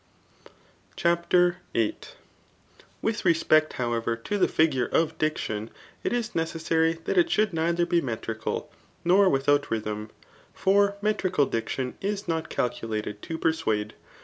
CHAPTER VUI. With respect, however, to the figure of diction, it is necessary that it should neither be metrical, nor without rythtn. For metrical diction is not calculated to per suade.